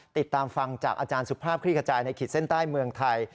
ติดตามฟังจากอาจารย์สุภาพคลี่ขจายในขีดเส้นใต้เมืองไทย